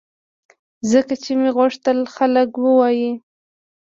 ځکه چې مې غوښتل خلک ووایي